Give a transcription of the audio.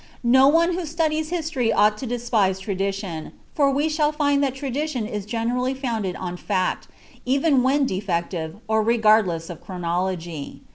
No one who sludiea history ought to despi«e tradition, for we shall find that tru ditiun is generally founded on fact, even when defective, or regsnllcs!) of chmnology.